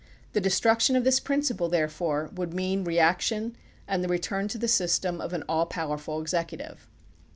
The destruction of this principle, therefore, would mean reaction and the re turn to the system of an all powerful executive.